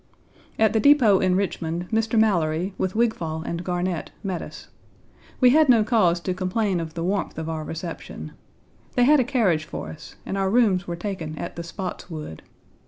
At the depot in Richmond, Mr. Mallory, with Wigfall and Garnett, met us. We had no cause to complain of the warmth of our reception. They had a carriage for us, and our rooms were taken at the Spotswood.